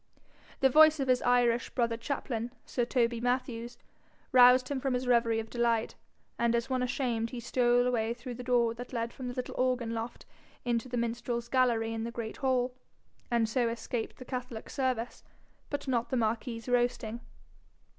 The voice of his Irish brother chaplain, Sir Toby Mathews, roused him from his reverie of delight, and as one ashamed he stole away through the door that led from the little organ loft into the minstrel's gallery in the great hall, and so escaped the catholic service, but not the marquis's roasting.